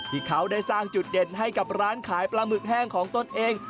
ที่เขาได้สร้างจุดเด่นให้กับร้านขายปลาหมึกแห้งของตนเอง